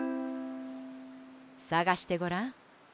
さがしてごらん。